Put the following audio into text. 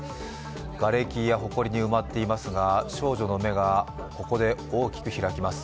がれきやほこりに埋まっていますが少女の目がここで大きく開きます。